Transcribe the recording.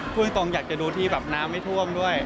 พูดตรงอยากจะดูที่แบบน้ำไม่ท่วมด้วย